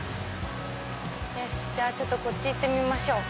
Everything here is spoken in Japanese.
じゃあちょっとこっち行ってみましょう。